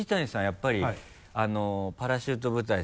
やっぱりパラシュート部隊さん。